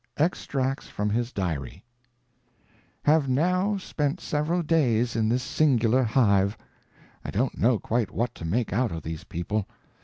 Extracts from his diary: Have now spent several days in this singular hive. I don't know quite what to make out of these people.